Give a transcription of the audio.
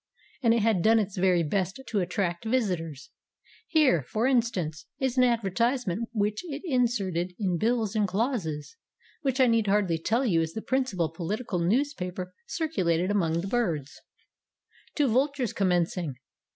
And it had done its very best to attract visitors. Here, for instance, is an 278 APPRECIATION 279 advertisement which it inserted in "Bills and Clauses," which I need hardly tell you is the principal political newspaper circulated among the birds : "To VULTURES COMMENCING.